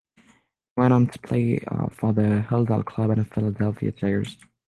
He went on to play for the Hilldale Club and the Philadelphia Tigers.